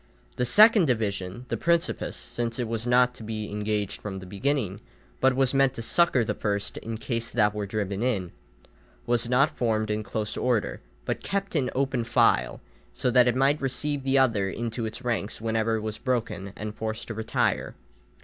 The second division, the principes, since it was not to be engaged from the beginning, but was meant to succour the first in case that were driven in, was not formed in close order but kept in open file, so that it might receive the other into its ranks whenever it was broken and forced to retire.